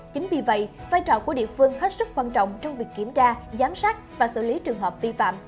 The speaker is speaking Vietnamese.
chính vì vậy vai trò của địa phương hết sức quan trọng trong việc kiểm tra giám sát và xử lý trường hợp vi phạm